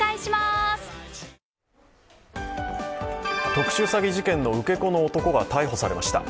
特殊詐欺事件の受け子の男が逮捕されました。